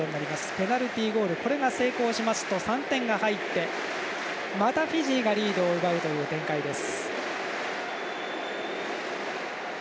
ペナルティゴールこれが成功しますと３点が入ってまたフィジーがリードを奪うという展開です。